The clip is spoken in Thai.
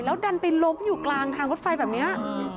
ดันไปล้มอยู่กลางทางรถไฟแบบนี้